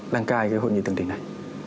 đang cai cái hội nghị thượng đỉnh này